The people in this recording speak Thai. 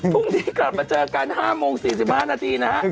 พรุ่งนี้กลับมาเจอกัน๕โมง๔๕นาทีนะฮะ